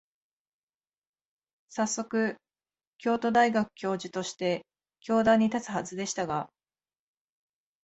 さっそく、京都大学教授として教壇に立つはずでしたが、